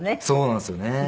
そうなんですよね。